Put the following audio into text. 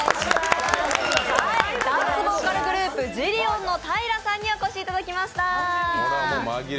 ダンスボーカルグループ、ＺＩＬＬＩＯＮのＴＹＲＡさんにお越しいただきました！